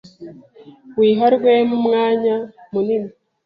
wiha Rwema umwanya munini